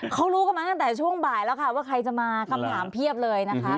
เขารู้กันมาตั้งแต่ช่วงบ่ายแล้วค่ะว่าใครจะมาคำถามเพียบเลยนะคะ